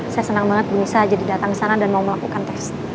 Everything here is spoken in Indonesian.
saya senang banget berusaha jadi datang ke sana dan mau melakukan tes